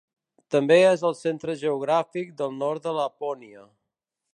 També és el centre geogràfic del nord de Lapònia.